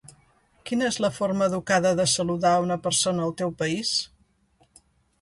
Quina és la forma educada de saludar a una persona al teu país?